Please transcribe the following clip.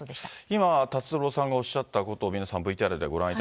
今、達郎さんがおっしゃったことを、皆さん、ＶＴＲでご覧い